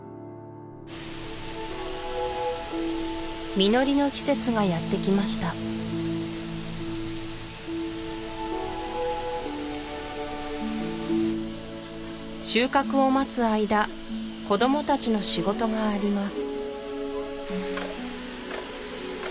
実りの季節がやってきました収穫を待つ間子どもたちの仕事があります